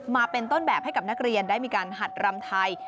มาเป็นต้นแบบให้กับนักเรียนได้มีการหัดรำไทย